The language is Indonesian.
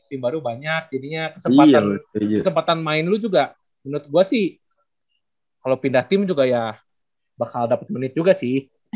tim baru banyak jadinya kesempatan main lu juga menurut gue sih kalau pindah tim juga ya bakal dapet menit juga sih